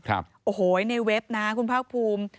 โอ้โหโว้ยในเว็บนั้นคุณพรากภูมิ